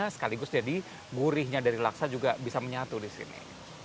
sekaligus jadi gurihnya dari laksa juga bisa menyatu di sini